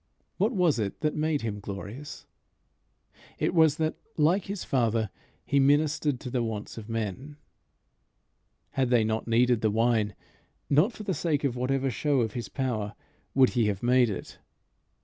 What was it that made him glorious? It was that, like his Father, he ministered to the wants of men. Had they not needed the wine, not for the sake of whatever show of his power would he have made it.